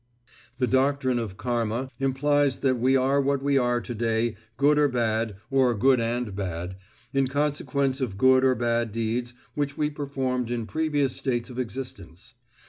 The doctrine of Karma implies that we are what we are to day, good or bad, or good and bad, in consequence of good or bad deeds which we performed in previous states of existence.